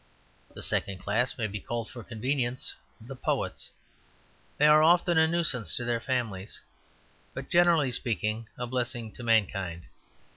The second class may be called for convenience the Poets; they are often a nuisance to their families, but, generally speaking, a blessing to mankind.